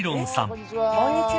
こんにちは。